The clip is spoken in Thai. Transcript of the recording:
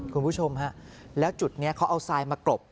คุณผู้ชมฮะแล้วจุดนี้เขาเอาทรายมากรบ